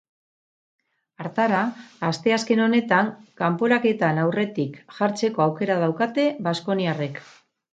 Hartara, asteazken honetan kanporaketan aurretik jartzeko aukera daukate baskoniarrek.